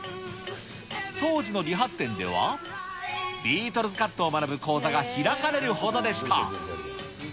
当時の理髪店では、ビートルズ・カットを学ぶ講座が開かれるほどでした。